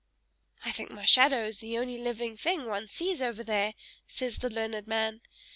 "I think my shadow is the only living thing one sees over there," said the learned man.